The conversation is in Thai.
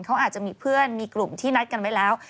เขาอาจจะมีเพื่อนมีกลุ่มที่นัดกันไว้แล้ว